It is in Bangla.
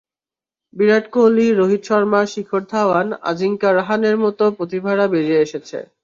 বিরাট কোহলি, রোহিত শর্মা, শিখর ধাওয়ান, আজিঙ্কা রাহানের মতো প্রতিভারা বেরিয়ে এসেছে।